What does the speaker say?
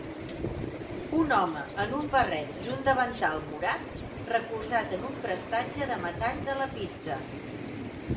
Un home en un barret i un davantal morat recolzat en un prestatge de metall de la pizza